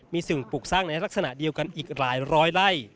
มีสิ่งปลูกสร้างในลักษณะเดียวกันอีกหลายร้อยไล่